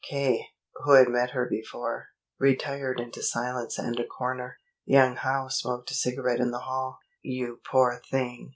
K., who had met her before, retired into silence and a corner. Young Howe smoked a cigarette in the hall. "You poor thing!"